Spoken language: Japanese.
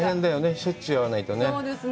しょっちゅう会わないとね。